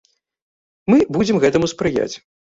Мы будзем гэтаму спрыяць.